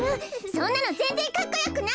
そんなのぜんぜんかっこよくない！